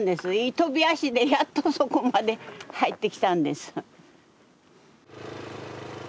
とび足でやっとそこまで入ってきたんです。